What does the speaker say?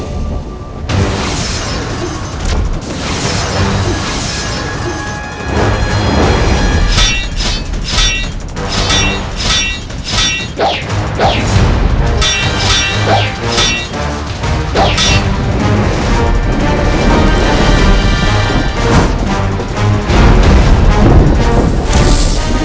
aku harus waspada